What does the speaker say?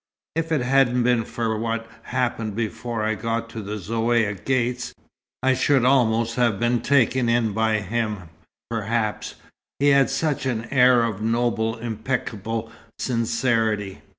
If it hadn't been for what happened before I got to the Zaouïa gates, I should almost have been taken in by him, perhaps, he had such an air of noble, impeccable sincerity.